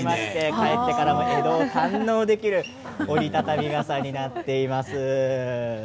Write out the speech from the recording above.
帰ってからも江戸を堪能できる折り畳み傘になっています。